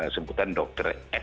sebutan dokter s